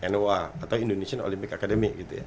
noa atau indonesian olympic academy gitu ya